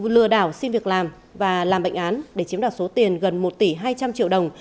lừa đảo xin việc làm và làm bệnh án để chiếm đoạt số tiền gần một tỷ hai trăm linh triệu đồng